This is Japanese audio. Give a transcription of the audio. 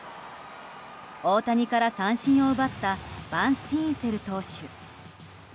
大谷から三振を奪ったバンスティーンセル投手。